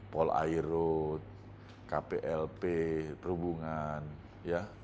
polairut kplp perhubungan ya